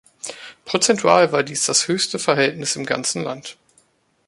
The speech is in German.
Prozentual war dies das höchste Verhältnis im ganzen Land.